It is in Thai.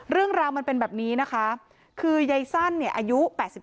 เรื่องราวมันเป็นแบบนี้ค่ะคือเยซั่นอายุ๘๓